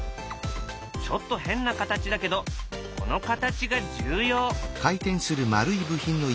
ちょっと変な形だけどこの形が重要。